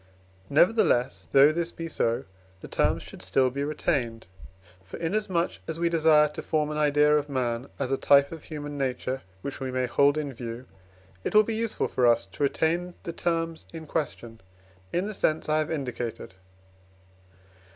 Nevertheless, though this be so, the terms should still be retained. For, inasmuch as we desire to form an idea of man as a type of human nature which we may hold in view, it will be useful for us to retain the terms in question, in the sense I have indicated.